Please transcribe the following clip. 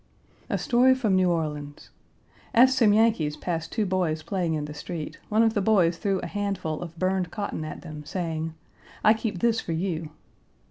A story from New Orleans. As some Yankees passed two boys playing in the street, one of the boys threw a handful of burned cotton at them, saying, "I keep this for you."